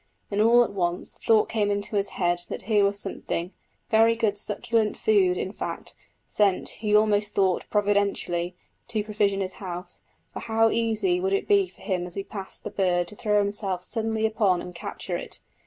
Then all at once the thought came into his head that here was something, very good succulent food in fact, sent, he almost thought providentially, to provision his house; for how easy it would be for him as he passed the bird to throw himself suddenly upon and capture it!